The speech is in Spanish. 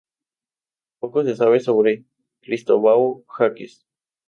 Poco se sabe sobre Cristóvão Jaques.